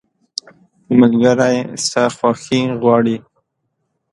ملګری ستا خوښي غواړي.